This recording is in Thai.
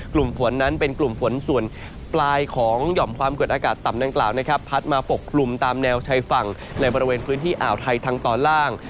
กลุ่มฝนนั้นเป็นกลุ่มฝนส่วนปลายของหย่อมความกดอากาศต่ำดังกล่าวนะครับพัดมาปกกลุ่มตามแนวชายฝั่งในบริเวณพื้นที่อ่าวไทยทางตอนล่าง